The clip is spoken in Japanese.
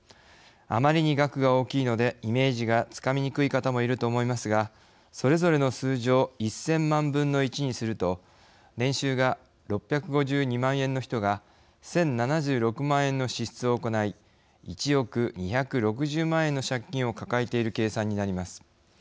あまりに額が大きいのでイメージがつかみにくい方もいると思いますがそれぞれの数字を１，０００万分の１にすると年収が６５２万円の人が１，０７６万円の支出を行い１億２６０万円の借金を抱えている計算になります。